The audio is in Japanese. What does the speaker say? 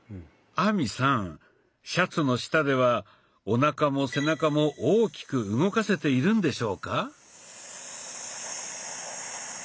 亜美さんシャツの下ではおなかも背中も大きく動かせているんでしょうか？